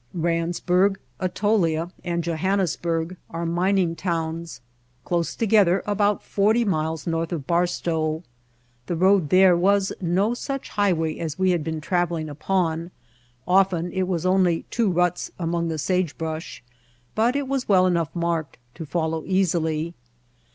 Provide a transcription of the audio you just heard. Randsburg, Atolia and Johannesburg are mining towns close together about forty miles north of Barstow. The road there was no such highway as we had been traveling upon; often How We Found Mojave it was only two ruts among the sagebrush, but it was well enough marked to follow easily.